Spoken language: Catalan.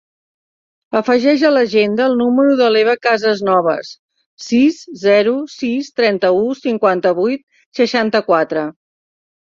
Afegeix a l'agenda el número de l'Eva Casasnovas: sis, zero, sis, trenta-u, cinquanta-vuit, seixanta-quatre.